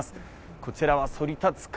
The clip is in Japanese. こちらは「そり立つ壁」